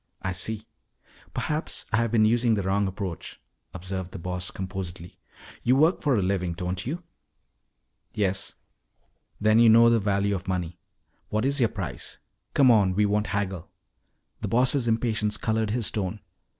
"I see. Perhaps I have been using the wrong approach," observed the Boss composedly. "You work for a living, don't you?" "Yes." "Then you know the value of money. What is your price? Come on, we won't haggle." The Boss' impatience colored his tone.